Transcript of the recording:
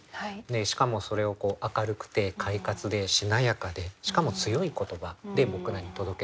しかもそれを明るくて快活でしなやかでしかも強い言葉で僕らに届けてくれる詩人だと思いますね。